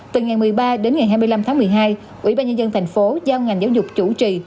từ ngày một mươi ba đến ngày hai mươi năm tháng một mươi hai ủy ban nhân dân thành phố giao ngành giáo dục chủ trì